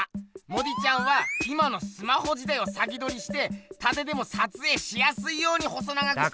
モディちゃんは今のスマホ時代を先どりしてたてでもさつえいしやすいように細長くした。